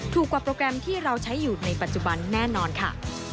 ถูกกว่าโปรแกรมที่เราใช้อยู่ในปัจจุบันแน่นอนค่ะ